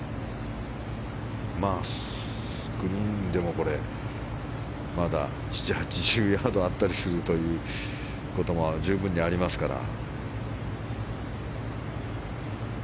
グリーンでもまだ７０８０ヤードあったりするということも十分にありますから。